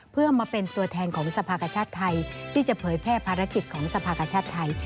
เพื่อมาเป็นตัวแทนของสภากชาติไทยที่จะเผยแพร่ภารกิจของสภากชาติไทย